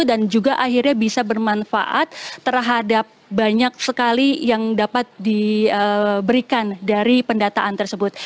dan juga akhirnya bisa bermanfaat terhadap banyak sekali yang dapat diberikan dari pendataan tersebut